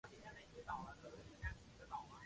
毛麻楝为楝科麻楝属下的一个变种。